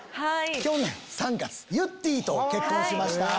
去年３月ゆってぃと結婚しました。